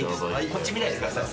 こっち見ないでください。